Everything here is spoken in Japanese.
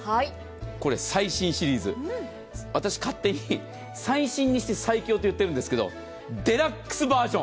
これ、最新シリーズ、私、勝手に、最新にして最強と言っているんですけど、デラックスバージョン。